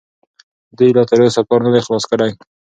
دوی لا تراوسه کار نه دی خلاص کړی.